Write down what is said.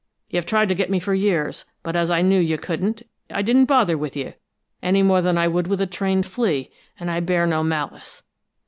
You've tried to get me for years, but as I knew you couldn't, I didn't bother with you, any more than I would with a trained flea, and I bear no malice.